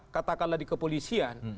katakanlah di kepolisian